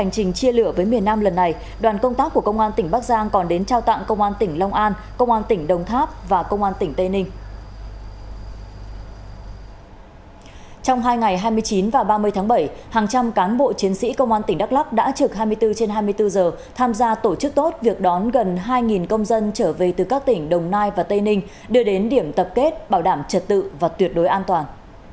trong hai ngày hai mươi chín và ba mươi tháng bảy hàng trăm cán bộ chiến sĩ công an tp hcm đã trực hai mươi bốn trên hai mươi bốn giờ tham gia tổ chức tốt việc đón gần hai công dân trở về từ các tỉnh đồng nai và tây ninh đưa đến điểm tập kết bảo đảm trật tự và tuyệt đối an toàn